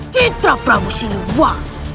citra prabu siluwa